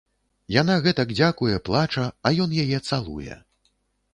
Яна гэтак дзякуе, плача, а ён яе цалуе.